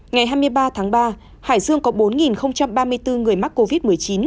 ngày hai mươi ba tháng ba hải dương có bốn ba mươi bốn người mắc covid một mươi chín